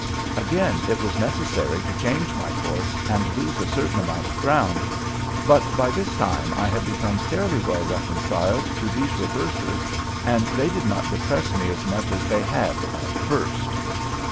Again it was necessary to change my course and lose a certain amount of ground, but by this time I had become fairly well reconciled to these reverses and they did not depress me as much as they had at first.